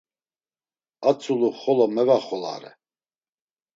A tzulu xolo mevaxolare.